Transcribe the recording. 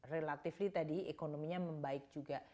relatively tadi ekonominya membaik juga